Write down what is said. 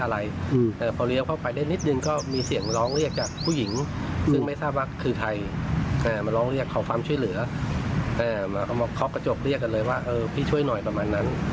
แล้วก็เรียกกันเลยว่าเออพี่ช่วยหน่อยประมาณนั้น